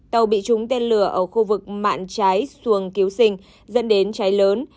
tàu bị trúng tên lửa ở khu vực mạn trái xuồng kiếu sinh dẫn đến trái lớn